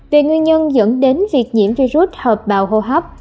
về nguyên nhân dẫn đến việc nhiễm virus hợp bào hô hấp